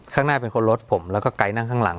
ข้างหน้าเป็นคนรถผมแล้วก็ไกด์นั่งข้างหลัง